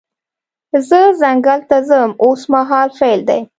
زه ځنګل ته ځم اوس مهال فعل دی.